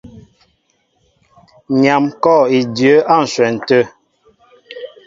Nyam kɔ̂w í dyə́ə́ á ǹshwɛn tə̂.